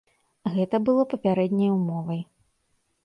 Гэта было папярэдняй умовай.